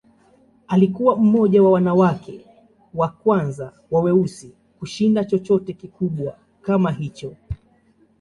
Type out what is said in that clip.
Alikuwa mmoja wa wanawake wa kwanza wa weusi kushinda chochote kikubwa kama hicho.